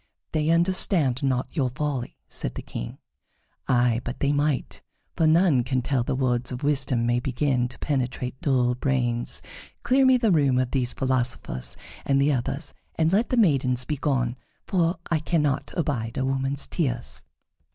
"They understand not your folly," said the King. "Ay, but they might, for none can tell when words of wisdom may begin to penetrate dull brains. Clear me the room of these philosophers and the others, and let the maidens begone, for I cannot abide a woman's tears."